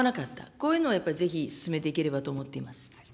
こういうのはやっぱり、ぜひ進めていければと思っております。